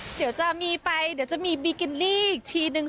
เดี๋ยวจะมีไปเดี๋ยวจะมีบิกิลี่อีกทีนึง